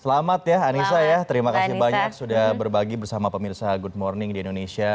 selamat ya anissa ya terima kasih banyak sudah berbagi bersama pemirsa good morning di indonesia